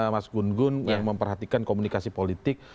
mas gun gun yang memperhatikan komunikasi politik